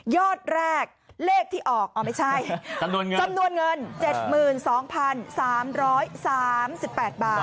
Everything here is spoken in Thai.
ยอดแรกเลขที่ออกอ๋อไม่ใช่จำนวนเงินจำนวนเงินเจ็ดหมื่นสองพันสามร้อยสามสิบแปดบาท